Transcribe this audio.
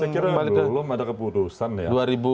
saya kira dulu ada keputusan ya